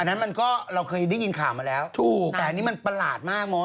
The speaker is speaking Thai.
นั้นมันก็เราเคยได้ยินข่าวมาแล้วถูกแต่อันนี้มันประหลาดมากม้อ